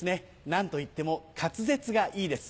何といっても滑舌がいいです。